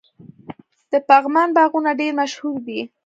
د پغمان باغونه ډیر مشهور دي.